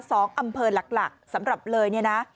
สองอำเภอหลักหลักสำหรับเลยเนี่ยนะ